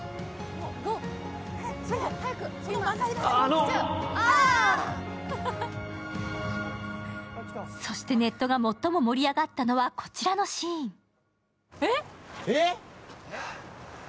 すると、芦田はそして、ネットが最も盛り上がったのはこちらのシーン。